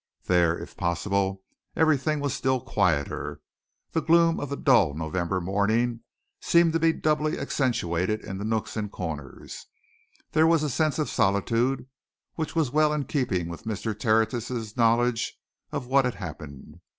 There, if possible, everything was still quieter the gloom of the dull November morning seemed to be doubly accentuated in the nooks and corners; there was a sense of solitude which was well in keeping with Mr. Tertius's knowledge of what had happened.